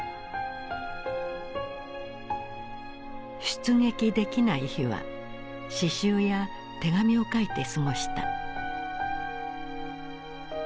出撃できない日は刺しゅうや手紙を書いて過ごした。